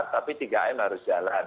tapi tiga m harus jalan